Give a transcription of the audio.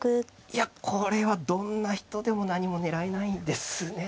いやこれはどんな人でも何も狙えないですね